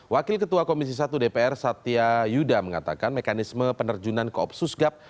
wakil ketua komisi satu dpr satya yuda mengatakan mekanisme penerjunan koopsus gap